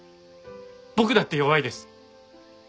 僕だって弱いです。